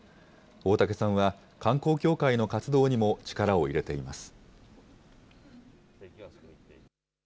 大嵩さんは、観光協会の活動にも力を入れています。